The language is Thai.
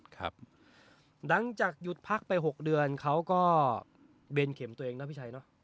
ครับหลังจากหยุดพักไป๖เดือนเขาก็เบนเข็มตัวเองนะพี่ชัยเนอะ